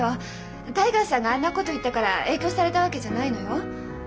タイガーさんがあんなこと言ったから影響されたわけじゃないのよ。